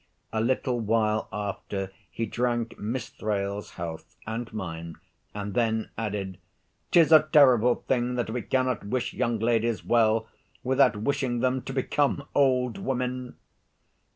A little while after he drank Miss Thrale's health and mine, and then added: "'Tis a terrible thing that we cannot wish young ladies well without wishing them to become old women!"